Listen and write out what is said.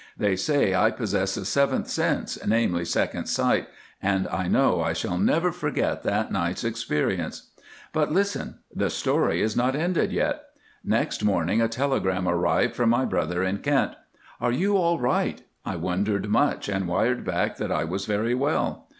"They say I possess a seventh sense, namely, second sight, and I know I shall never forget that night's experience. "But listen—the story is not ended yet. Next morning a telegram arrived from my brother in Kent, 'Are you all right?' I wondered much, and wired back that I was very well.